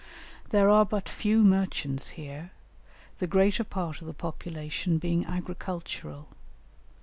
There are but few merchants here, the greater part of the population being agricultural.